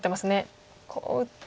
こう打って。